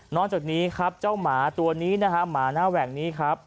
จากนี้ครับเจ้าหมาตัวนี้นะฮะหมาหน้าแหว่งนี้ครับ